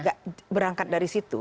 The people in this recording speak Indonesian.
tidak berangkat dari situ